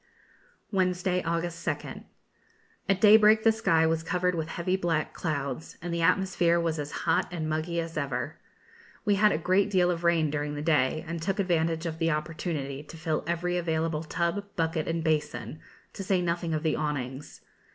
Wednesday, August 2nd. At daybreak the sky was covered with heavy black clouds, and the atmosphere was as hot and muggy as ever. We had a great deal of rain during the day, and took advantage of the opportunity to fill every available tub, bucket, and basin, to say nothing of the awnings.